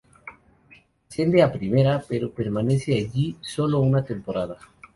Asciende a Primera, pero permanece allí sólo una temporada.